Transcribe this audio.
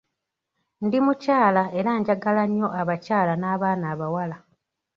Ndi mukyala era njagala nnyo abakyala n’abaana abawala.